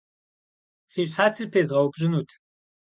Si şhetsır pêzğeupş'ınut.